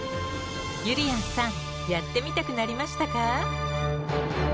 ゆりやんさんやってみたくなりましたか？